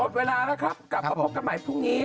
เวลาแล้วครับกลับมาพบกันใหม่พรุ่งนี้